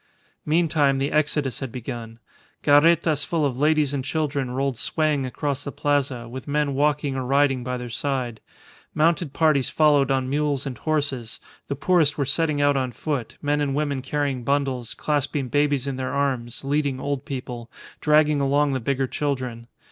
Meantime, the exodus had begun. Carretas full of ladies and children rolled swaying across the Plaza, with men walking or riding by their side; mounted parties followed on mules and horses; the poorest were setting out on foot, men and women carrying bundles, clasping babies in their arms, leading old people, dragging along the bigger children.